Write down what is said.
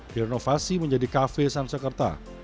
direnovasi menjadi cafe sansekerta